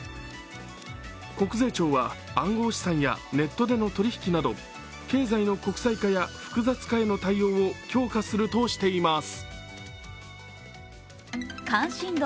国税庁は暗号資産やネットでの取引など経済の国際化や複雑化への対応を強化するとしています。